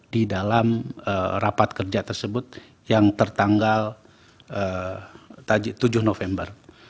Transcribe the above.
di dalam rapat kerja tersebut yang tertanggal tujuh november